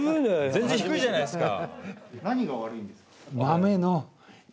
全然低いじゃないですか。